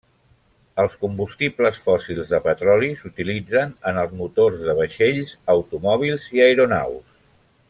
Els combustibles fòssils de petroli s'utilitzen en els motors de vaixells, automòbils i aeronaus.